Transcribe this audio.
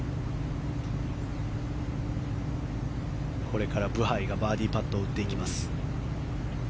これからブハイがバーディーパットを打っていきます。